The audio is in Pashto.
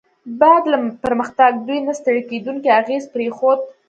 بعد له پرمختګ، دوی نه ستړي کیدونکی اغېز پرېښود.